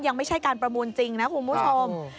ยังไม่ใช่การประมูลจริงนะคุณผู้ชม